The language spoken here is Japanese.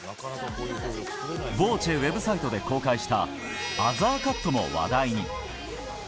「ＶＯＣＥ」ウェブサイトで公開したアザーカットも話題に。